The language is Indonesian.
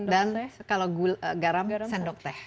dan kalau gula garam sendok teh